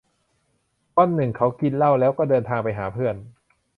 วันหนึ่งเขากินเหล้าแล้วก็เดินทางไปหาเพื่อน